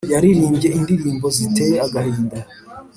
Yaririmbye indirimbo ziteye agahinda